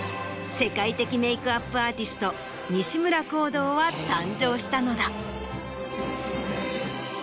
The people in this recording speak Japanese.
世界的メイクアップアーティスト西村宏堂は誕生したのだ。